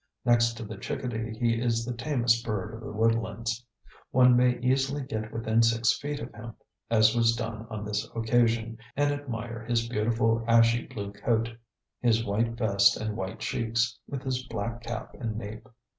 Next to the chickadee, he is the tamest bird of the woodlands. One may easily get within six feet of him, as was done on this occasion, and admire his beautiful ashy blue coat, his white vest and white cheeks, with his black cap and nape.